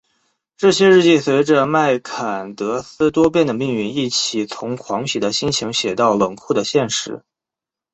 这些日记随着麦坎德斯多变的命运一起从狂喜的心情写到冷酷的现实。